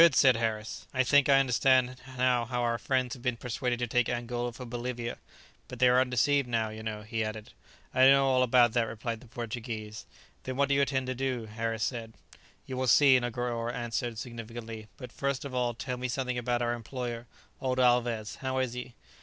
said Harris; "I think I understand now how our friends have been persuaded to take Angola for Bolivia. But they are undeceived now, you know," he added. "I know all about that," replied the Portuguese. "Then what do you intend to do?" said Harris. "You will see," answered Negoro significantly; "but first of all tell me something about our employer, old Alvez; how is he?"